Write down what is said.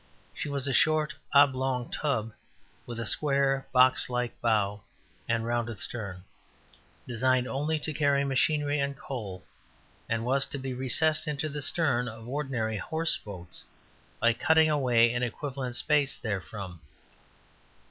She was a short, oblong tub, with a square, box like bow, and rounded stern, designed only to carry machinery and coal, and was to be recessed into the stern of ordinary horse boats by cutting away an equivalent space therefrom.